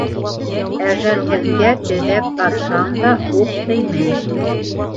Әжәлһеҙгә төҙәп атһаң да, ук теймәй.